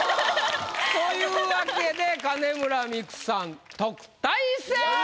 というわけで金村美玖さん特待生！